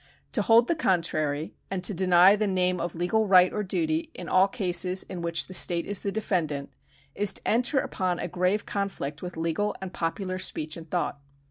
To hold the con trary, and to deny the name of legal right or duty in all cases in which the state is the defendant, is to enter upon a grave conflict with legal and popular speech and thought.